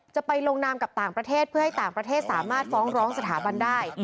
จะไปลงนามกับต่างประเทศเพื่อให้ต่างประเทศสามารถฟ้องร้องสถาบันได้